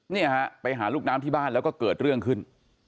เนี่ยฮะไปหาลูกน้ำที่บ้านแล้วก็เกิดเรื่องขึ้น